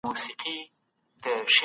شپږ عددونه دي.